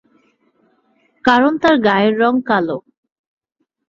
কারণ তার গায়ের রং কালো।